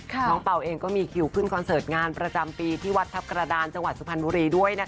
เป่าเองก็มีคิวขึ้นคอนเสิร์ตงานประจำปีที่วัดทัพกระดานจังหวัดสุพรรณบุรีด้วยนะคะ